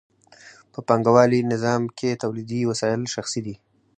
په پانګوالي نظام کې تولیدي وسایل شخصي دي